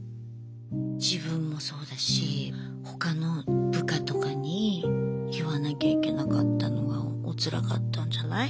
自分もそうだし他の部下とかに言わなきゃいけなかったのがおつらかったんじゃない？